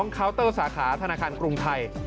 เคาน์เตอร์สาขาธนาคารกรุงไทย